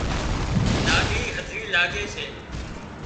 لُاڏِي هڌري لاڳي سي